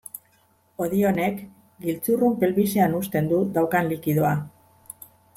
Hodi honek giltzurrun pelbisean husten du daukan likidoa.